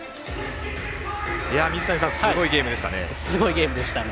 水谷さん、すごいゲームでしたね。